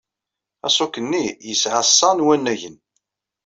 Aṣuk-nni yesɛa sa n wannagen.